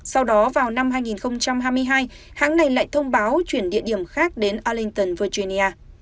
sau đó vào năm hai nghìn hai mươi hai hãng này lại thông báo chuyển địa điểm khác đến olymton virginia